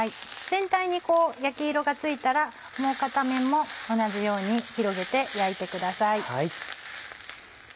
全体にこう焼き色がついたらもう片面も同じように広げて焼いてください。